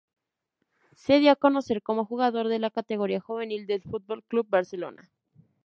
Se dio a conocer como jugador de la categoría juvenil del Fútbol Club Barcelona.